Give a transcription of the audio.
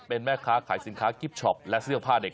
เป็นแม่ค้าขายสินค้ากิฟช็อปและเสื้อผ้าเด็ก